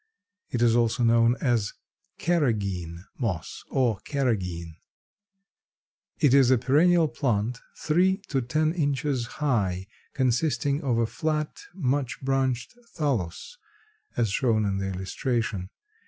It is also known as Carrageen moss or Carrageen. It is a perennial plant, 3 to 10 inches high, consisting of a flat, much branched thallus, as shown in the illustration.